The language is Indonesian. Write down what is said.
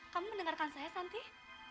kamu mendengarkan saya santih